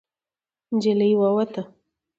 نجلۍ ووته.